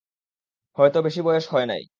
হয়তো বেশি বয়স হয় নাই।